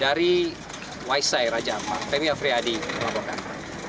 dari waisai raja ampak femi afriyadi wabah kampung